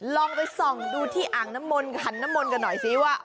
ลองไปส่องดูที่อ่างน้ำมนต์ขันน้ำมนต์กันหน่อยสิว่า